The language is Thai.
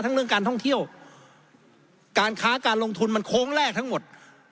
เรื่องการท่องเที่ยวการค้าการลงทุนมันโค้งแรกทั้งหมด